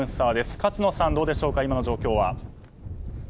勝野さん、どうでしょうか今の状況は。